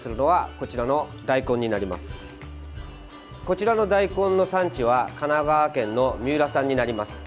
こちらの大根の産地は神奈川県の三浦産になります。